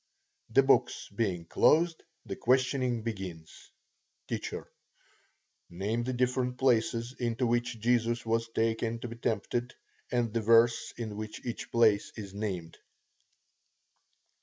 The books being closed, the questioning begins: T. Name the different places into which Jesus was taken to be tempted, and the verse in which each place is named.